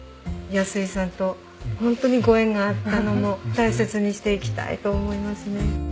安井さんとホントにご縁があったのも大切にしていきたいと思いますね。